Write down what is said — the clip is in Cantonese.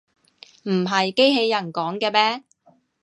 唔係機器人講嘅咩